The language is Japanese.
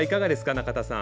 中田さん。